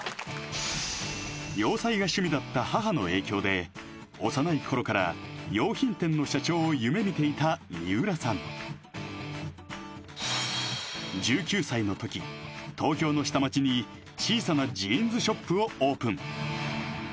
洋裁が趣味だった母の影響で幼いころから洋品店の社長を夢みていた三浦さん１９歳のとき東京の下町に小さなジーンズショップをオープン